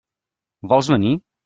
Vols venir?